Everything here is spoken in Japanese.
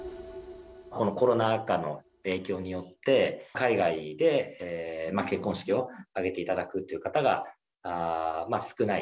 このコロナ禍の影響によって、海外で結婚式を挙げていただくっていう方が少ない。